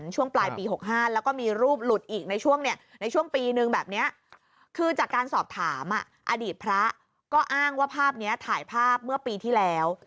จากการสอบถามอ่ะอดีตพระก็อ้างว่าภาพเนี้ยถ่ายภาพเมื่อปีที่แล้ว